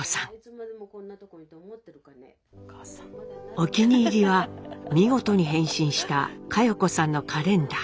お気に入りは見事に変身した佳代子さんのカレンダー。